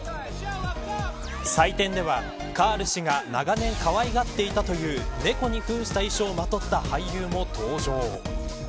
祭典では、カール氏が長年かわいがっていたという猫に扮した衣装をまとった俳優も登場。